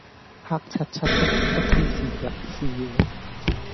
黑漆漆的，不知是日是夜。